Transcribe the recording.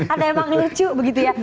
ada emang lucu begitu ya